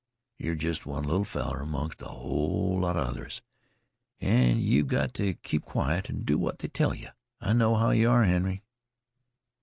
Yer jest one little feller amongst a hull lot of others, and yeh've got to keep quiet an' do what they tell yeh. I know how you are, Henry.